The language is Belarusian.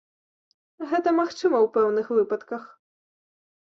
Гэта магчыма ў пэўных выпадках!